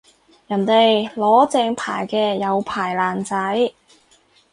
人哋攞正牌嘅有牌爛仔